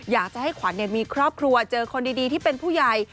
อยากจะให้ขวัญมีครอบครัวเจอคนดีที่เป็นผู้ใหญ่